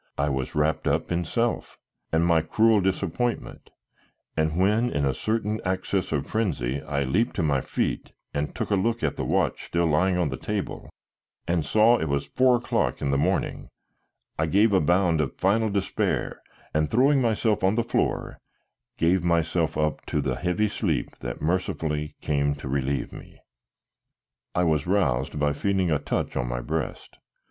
I was wrapped up in self and my cruel disappointment, and when in a certain access of frenzy I leaped to my feet and took a look at the watch still lying on the table, and saw it was four o'clock in the morning, I gave a bound of final despair, and throwing myself on the floor, gave myself up to the heavy sleep that mercifully came to relieve me. I was roused by feeling a touch on my breast.